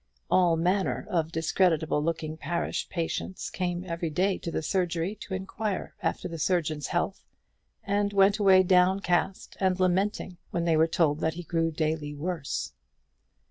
All manner of discreditable looking parish patients came every day to the surgery door to inquire after the surgeon's health; and went away downcast and lamenting, when they were told that he grew daily worse.